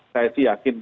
saya sih yakin